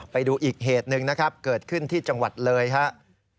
ไปดูอีกเหตุหนึ่งนะครับเกิดขึ้นที่จังหวัดเลยครับ